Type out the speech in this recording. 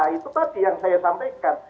itu tadi yang saya sampaikan